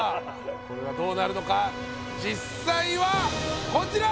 これはどうなるのか実際はこちら！